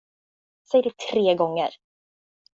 Säg det tre gånger!